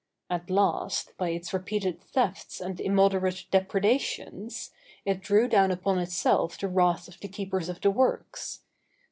—At last, by its repeated thefts and immoderate depredations, it drew down upon itself the wrath of the keepers of the works.